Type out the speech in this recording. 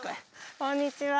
こんにちは。